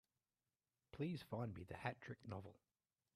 Please find me the Hat Trick novel.